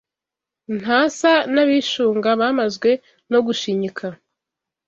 Ntasa n’abishunga Bamazwe no gushinyika